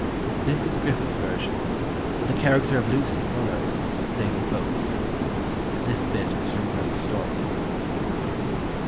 This is Griffith's version, but the character of Lucy Burrows is the same in both. This bit is from Burke's story